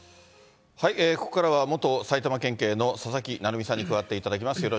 ここからは、元埼玉県警の佐々木成三さんに加わっていただきます。